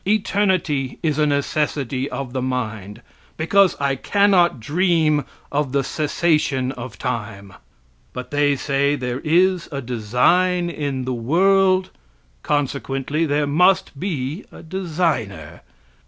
Eternity is a necessity of the mind, because I cannot dream of the cessation of time. But they say there is a design in the world, consequently there must be a designer.